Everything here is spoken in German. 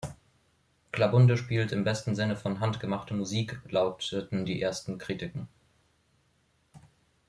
Klabunde spielt im besten Sinne von Hand gemachte Musik“" lauteten die ersten Kritiken.